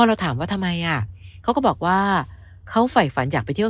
เราถามว่าทำไมอ่ะเขาก็บอกว่าเขาฝ่ายฝันอยากไปเที่ยว